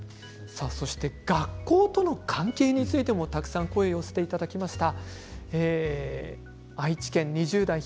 学校との関係についても声を寄せていただきました。